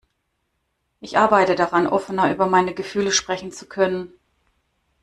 Ich arbeite daran, offener über meine Gefühle sprechen zu können.